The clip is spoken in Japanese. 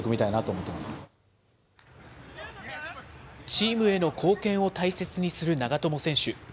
チームへの貢献を大切にする長友選手。